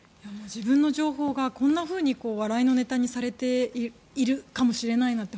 自分の情報がこんなふうに笑いのネタにされているかもしれないなんて